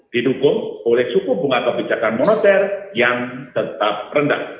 didukung oleh suku bunga kebijakan moneter yang tetap rendah